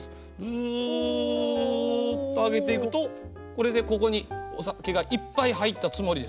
ずっと上げていくとこれでここにお酒がいっぱい入ったつもりです。